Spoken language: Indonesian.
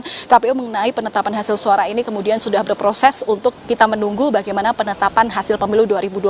kemudian kpu mengenai penetapan hasil suara ini kemudian sudah berproses untuk kita menunggu bagaimana penetapan hasil pemilu dua ribu dua puluh